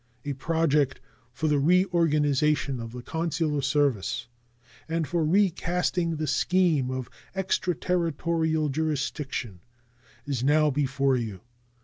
A project for the reorganization of the consular service and for recasting the scheme of extraterritorial jurisdiction is now before you.